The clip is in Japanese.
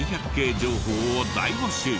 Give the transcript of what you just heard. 情報を大募集。